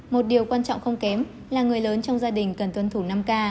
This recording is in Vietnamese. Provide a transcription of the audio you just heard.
một điều quan trọng không kém là người lớn trong gia đình cần tuân thủ năm k